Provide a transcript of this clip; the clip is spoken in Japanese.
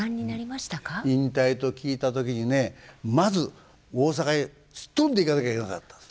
引退と聞いた時にねまず大阪へすっ飛んで行かなきゃいけなかったんです。